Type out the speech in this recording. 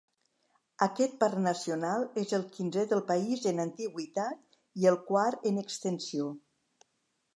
Aquest parc nacional és el quinzè del país en antiguitat i el quart en extensió.